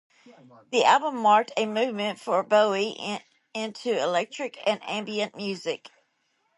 The album marked a movement for Bowie into electronic and ambient music.